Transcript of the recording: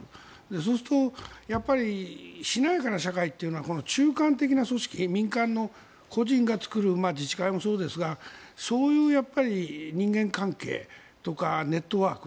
そうすると、やっぱりしなやかな社会というのは中間的な組織民間的な個人が作る自治会もそうですがそういう人間関係とかネットワーク。